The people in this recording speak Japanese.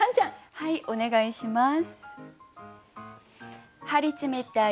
はいお願いします。